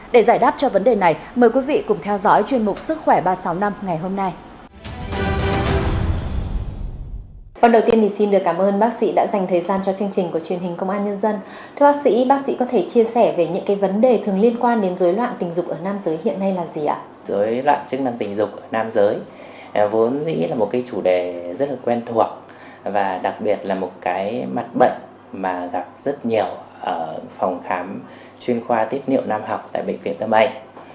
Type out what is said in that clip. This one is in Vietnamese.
để giải đáp cho vấn đề này mời quý vị cùng theo dõi chuyên mục sức khỏe ba trăm sáu mươi năm ngày hôm nay